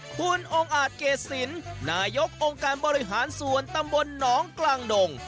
คุณองค์อาจเกษีลนายกองค์การบริหารส่วนตำบลหนองกลางดง